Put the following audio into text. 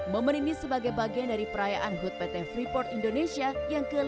momen ini sebagai bagian dari perayaan hut pt freeport indonesia yang ke lima puluh